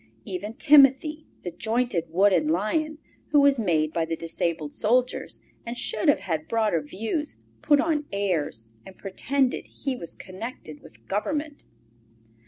Even Timothy, the jointed wooden lion, who was made by the disabled soldiers, and should have had broader views, put on airs and pretended he was connected with Government.